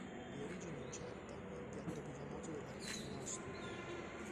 Di origine incerta, è il piatto più famoso della cucina asturiana.